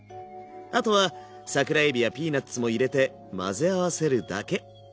あとは桜えびやピーナツも入れて混ぜ合わせるだけ。